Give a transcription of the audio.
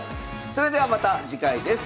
それではまた次回です。